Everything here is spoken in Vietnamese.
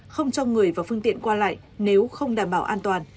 không cho người và phương tiện qua lại nếu không đảm bảo an toàn